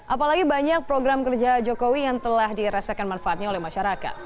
apalagi banyak program kerja jokowi yang telah dirasakan manfaatnya oleh masyarakat